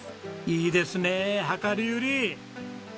いいですねえ量り売り！